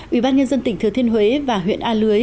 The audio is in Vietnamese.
ubnd tỉnh thừa thiên huế và huyện a lưới